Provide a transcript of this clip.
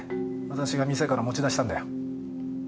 私が店から持ち出したんだよ。